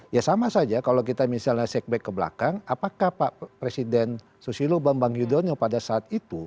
ya sama saja kalau kita misalnya segback ke belakang apakah pak presiden susilo bambang yudhoyono pada saat itu